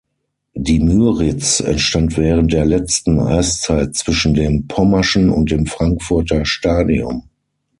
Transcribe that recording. Die Müritz entstand während der letzten Eiszeit zwischen dem Pommerschen und dem Frankfurter Stadium.